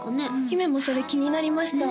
姫もそれ気になりました